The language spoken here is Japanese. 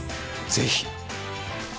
ぜひ。